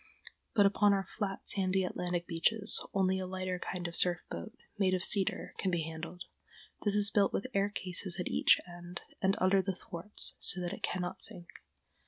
But upon our flat, sandy Atlantic beaches only a lighter kind of surf boat, made of cedar, can be handled. This is built with air cases at each end and under the thwarts, so that it cannot sink.